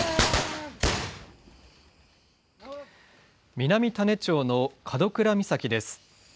南種子町の門倉岬です。